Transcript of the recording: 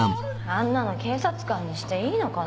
あんなの警察官にしていいのかな？